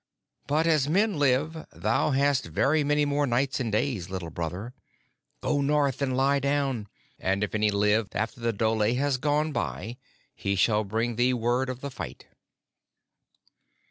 But, as men live, thou hast very many more nights and days, Little Brother. Go north and lie down, and if any live after the dhole has gone by he shall bring thee word of the fight."